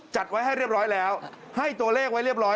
จัดไว้ให้เรียบร้อยแล้วให้ตัวเลขไว้เรียบร้อย